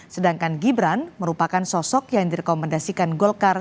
sedangkan gibran merupakan sosok yang direkomendasikan golkar